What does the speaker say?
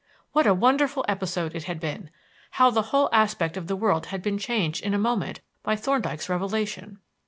What a wonderful episode it had been! How the whole aspect of the world had been changed in a moment by Thorndyke's revelation!